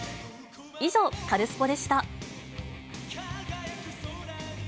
以上、カルスポっ！でした。